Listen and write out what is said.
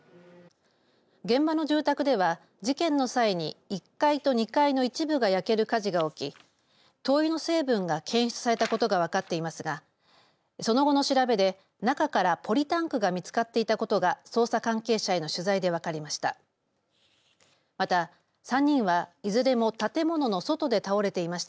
現場の住宅では事件の際に１階と２階の一部が焼ける火事が起き灯油の成分が検出されたことが分かっていますがその後の調べで中からポリタンクが見つかっていたことが捜査関係者への取材で分かりました。